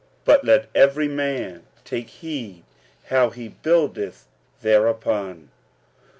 But let every man take heed how he buildeth thereupon.